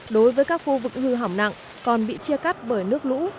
đối với các khu vực hư hỏng nặng còn bị chia cắt bởi nước lũ